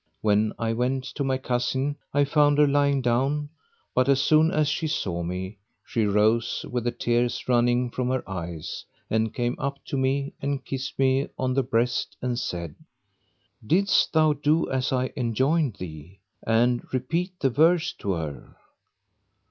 When I went to my cousin, I found her lying down; but as soon as she saw me, she rose, with the tears running from her eyes, and came up to me, and kissed me on the breast and said, "Didst thou do as I enjoined thee? and repeat the verse to her?"